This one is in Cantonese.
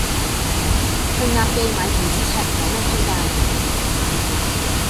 去鴨記買電子尺有咩推介